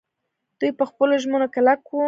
دوی په خپلو ژمنو کلک وو.